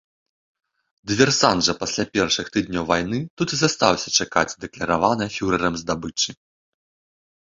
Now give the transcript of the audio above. Дыверсант жа пасля першых тыдняў вайны тут і застаўся чакаць дакляраванай фюрэрам здабычы.